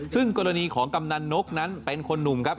ซึ่งกรณีของกำนันนกนั้นเป็นคนหนุ่มครับ